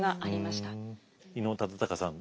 伊能忠敬さん